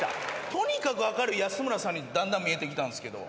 とにかく明るい安村さんにだんだん見えてきたんすけど。